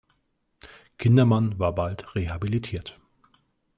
Kindermann war bald rehabilitiert.